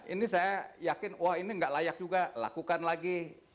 ini saya yakin wah ini nggak layak juga lakukan lagi